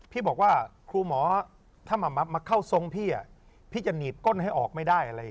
พี่บอกว่าครูหมอถ้ามาเข้าทรงพี่พี่จะหนีบก้นให้ออกไม่ได้อะไร